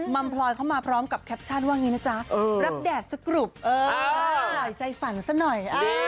มัมพลอยเข้ามาพร้อมกับแคปชั่นว่าอย่างนี้นะจ๊ะรับแดดสกรุปปล่อยใจฝันซะหน่อย